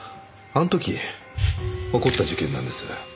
あの時起こった事件なんです。